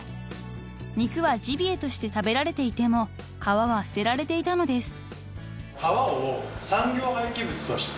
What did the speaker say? ［肉はジビエとして食べられていても皮は捨てられていたのです］